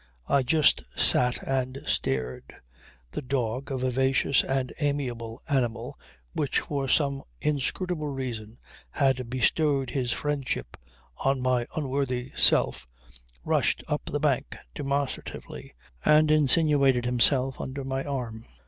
I just sat and stared. The dog, a vivacious and amiable animal which for some inscrutable reason had bestowed his friendship on my unworthy self, rushed up the bank demonstratively and insinuated himself under my arm.